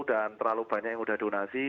dan terlalu banyak yang udah donasi